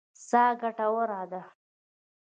سا ګټوره ده.